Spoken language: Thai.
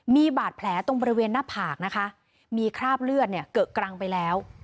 มีบาดแผลตรงบริเวณหน้าผากนะคะมีคราบเลือดเนี่ยเกอะกรังไปแล้ว